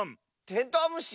テントウムシ。